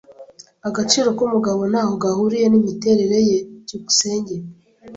Agaciro k'umugabo ntaho gahuriye n'imiterere ye. byukusenge